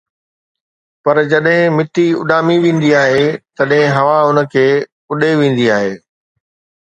پر جڏهن مٽي اُڏامي ويندي آهي، تڏهن هوا ان کي اُڏي ويندي آهي